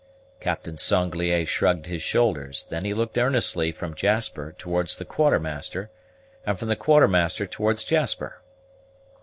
Captain Sanglier shrugged his shoulders; then he looked earnestly from Jasper towards the Quartermaster, and from the Quartermaster towards Jasper.